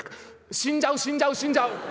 「死んじゃう死んじゃう死んじゃう！